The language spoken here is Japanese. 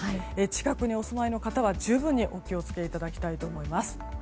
近くにお住まいの方は十分にお気を付けいただきたいと思います。